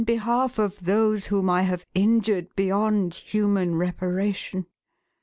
behalf of those whom I have injured beyond human repara tion.